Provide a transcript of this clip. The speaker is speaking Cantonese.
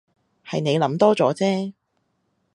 係你諗多咗啫